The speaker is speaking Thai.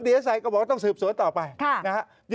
เดี๋ยวใส่ก็บอกว่าต้องสืบสวนต่อไปนะฮะ